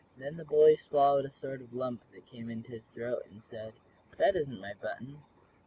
Then the bully swallowed a sort of lump that came in his throat, and said: "That isn't my button."